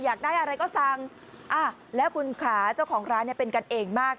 อยากได้อะไรก็สั่งแล้วคุณขาเจ้าของร้านเนี่ยเป็นกันเองมาก